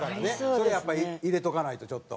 それやっぱり入れとかないとちょっと。